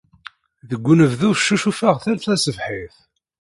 Deg unebdu, ccucufeɣ tal taṣebḥit.